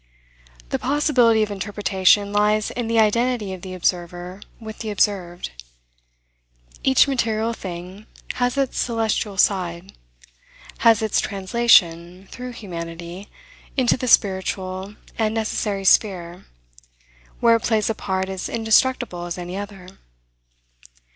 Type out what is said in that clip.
The possibility of interpretation lies in the identity of the observer with the observed. Each material thing has its celestial side; has its translation, through humanity, into the spiritual and necessary sphere, where it plays a part as indestructible as any other.